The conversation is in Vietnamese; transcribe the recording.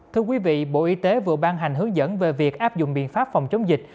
thưa quý vị bộ y tế vừa ban hành hướng dẫn về việc áp dụng biện pháp phòng chống dịch